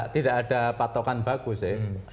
tidak ada patokan bagus sih